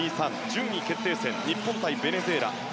順位決定戦、日本対ベネズエラ。